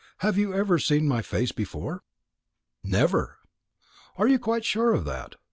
Have you never seen my face before?" "Never." "Are you quite sure of that?